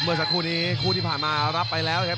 เมื่อสักครู่นี้คู่ที่ผ่านมารับไปแล้วนะครับ